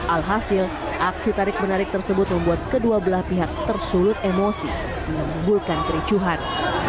alhasil aksi tarik menarik tersebut membuat kedua belah pihak tersulut emosi hingga menimbulkan kericuhan